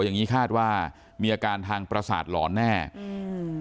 อย่างงี้คาดว่ามีอาการทางประสาทหลอนแน่อืม